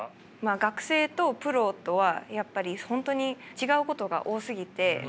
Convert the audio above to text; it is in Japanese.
学生とプロとは本当に違うことが多すぎて。